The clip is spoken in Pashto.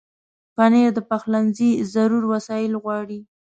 پنېر د پخلنځي ضرور وسایل غواړي.